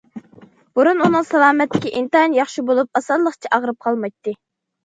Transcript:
بۇرۇن ئۇنىڭ سالامەتلىكى ئىنتايىن ياخشى بولۇپ ئاسانلىقچە ئاغرىپ قالمايتتى.